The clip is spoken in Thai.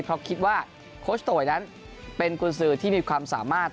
เพราะคิดว่าโค้ชโตยนั้นเป็นกุญสือที่มีความสามารถ